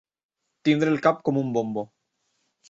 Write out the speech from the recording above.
Tenir el cap com un bombo.